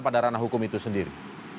pada ranah hukum itu sendiri